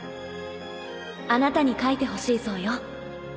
あなたに書いてほしいそうよ。